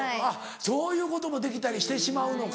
そういうこともできたりしてしまうのか。